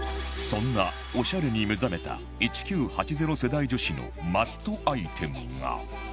そんなオシャレに目覚めた１９８０世代女子のマストアイテムが